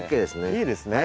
いいですね。